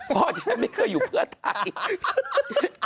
ฉันไม่เคยอยู่เพื่อไทย